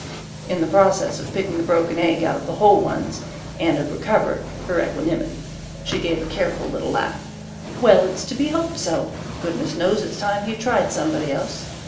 In the process of picking the broken egg out of the whole ones Anne had recovered her equanimity. She gave a careful little laugh. "Well, it's to be hoped so. Goodness knows it's time he tried somebody else.